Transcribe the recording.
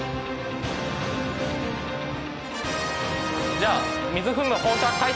じゃあ。